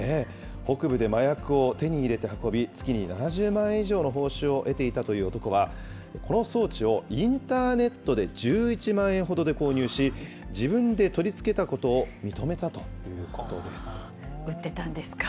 北部で麻薬を手に入れて運び、月に７０万円以上の報酬を得ていたという男は、この装置をインターネットで１１万円ほどで購入し、自分で取り付けたことを認めたということです。